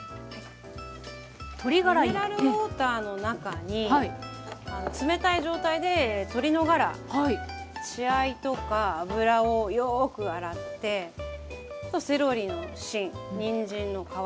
ミネラルウォーターの中に冷たい状態で鶏のガラ血合いとか脂をよく洗ってセロリの芯にんじんの皮